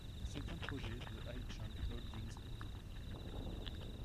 C'est un projet de Haichang Holdings Group.